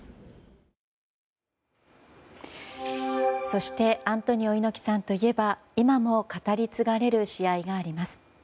そしてアントニオ猪木さんといえば今も語り継がれる試合があります。